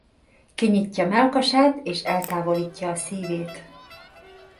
Kinyitja mellkasát és eltávolítja a szívét.